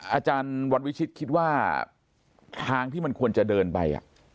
อาจารย์วันวิชิตคิดว่าทางที่มันควรจะเดินไป